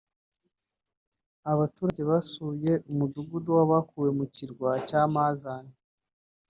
Abaturage basuye umudugudu w’abakuwe ku kirwa cya Mazane